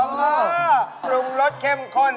ปรุงรสเข้มข้น